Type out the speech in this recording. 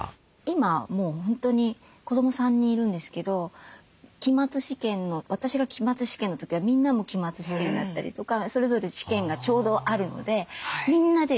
今もう本当に子ども３人いるんですけど私が期末試験の時はみんなも期末試験だったりとかそれぞれ試験がちょうどあるのでみんなで勉強するんですよ。